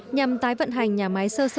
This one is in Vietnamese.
nhằm tái vận hành nhà máy sơ sợi đình vũ